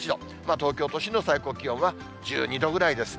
東京都心の最高気温は１２度ぐらいです。